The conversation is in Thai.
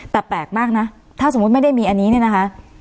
แต่แปลกมากนะถ้าสมมุติไม่ได้มีอันนี้เนี่ยนะคะ